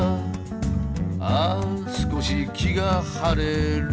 「ああ少し気が晴れる」